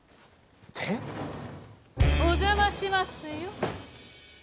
お邪魔しますよ。